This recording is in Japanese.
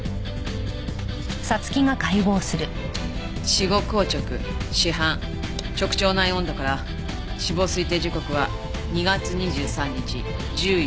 死後硬直死斑直腸内温度から死亡推定時刻は２月２３日１４時から１５時。